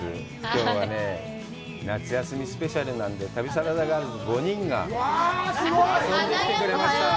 きょうはね夏休みスペシャルなんで旅サラダガールズ５人が遊んできてくれました